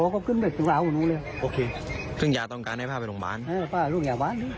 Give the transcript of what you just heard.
ก็เข้าไปราวเลย